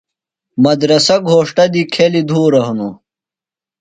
مدرسہ گھوݜٹہ دی کھیلیۡ دُھورہ ہِنوُ۔